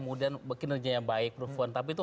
kemudian bekerja yang baik proven tapi itu